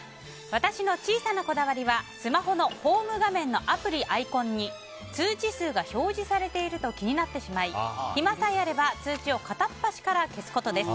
私の小さなこだわりはスマホのホーム画面のアプリ、アイコンに通知数が表示されていると気になってしまい暇さえあれば通知を片っ端から消すことです。